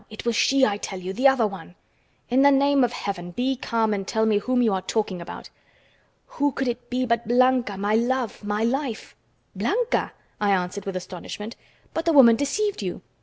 It was she, I tell you, the other one!" "In the name of heaven, be calm and tell me whom you are talking about." "Who could it be but Blanca, my love, my life?" "Blanca?" I answered with astonishment. "But the woman deceived you."